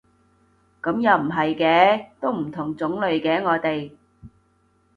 噉又唔係嘅，都唔同種類嘅我哋